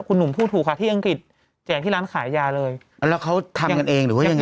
คุณหนุ่มพูดถูกค่ะที่อังกฤษแจกที่ร้านขายยาเลยแล้วเขาทำกันเองหรือว่ายังไง